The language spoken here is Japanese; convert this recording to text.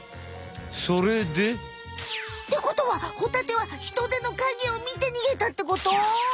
それで。ってことはホタテはヒトデの影を見てにげたってこと？